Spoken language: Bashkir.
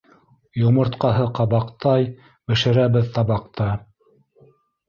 Йомортҡаһы — ҡабаҡтай, Бешерәбеҙ табаҡта.